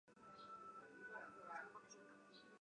协助二度就业母亲